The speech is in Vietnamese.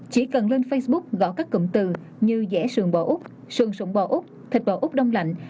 chỉ cần lên facebook gõ các cụm từ như dẻ sườn bò úc sườn sùng bò úc thịt bò úc đông lạnh